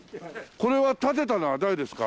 これは建てたのは誰ですか？